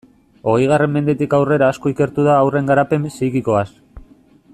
Hogeigarren mendetik aurrera asko ikertu da haurren garapen psikikoaz.